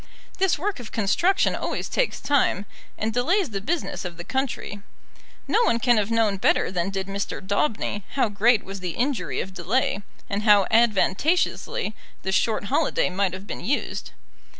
This work of construction always takes time, and delays the business of the country. No one can have known better than did Mr. Daubeny how great was the injury of delay, and how advantageously the short holiday might have been used.